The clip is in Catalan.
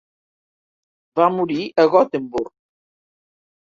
Va morir a Gothenburg.